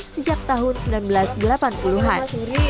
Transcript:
sejak tahun seribu sembilan ratus delapan puluh an